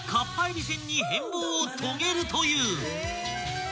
びせんに変貌を遂げるという］